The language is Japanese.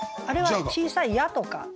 あれは小さい「ゃ」とか。